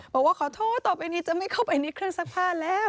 บอกว่าขอโทษต่อไปนี้จะไม่เข้าไปในเครื่องซักผ้าแล้ว